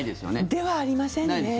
ではありませんね。